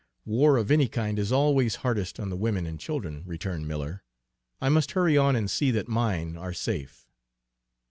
"War of any kind is always hardest on the women and children," returned Miller; "I must hurry on and see that mine are safe."